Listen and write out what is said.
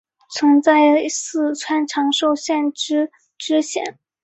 曾在四川长寿县任知县。